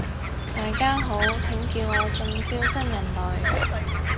大家好，請叫我中招新人類